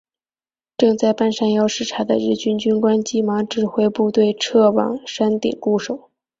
正在半山腰视察的日军军官急忙指挥部队撤往山顶固守。